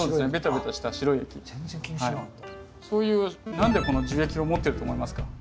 何でこの樹液を持ってると思いますか？